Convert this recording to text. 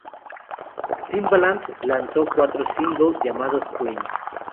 Timbaland lanzó su cuarto single, llamado Scream.